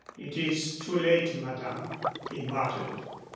"It is too late, madame," he muttered.